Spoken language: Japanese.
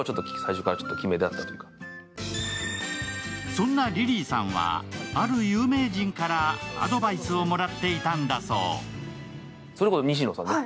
そんなリリーさんは、ある有名人からアドバイスをもらっていたんだそう。